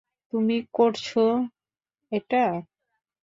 তুমি করেছো এটা?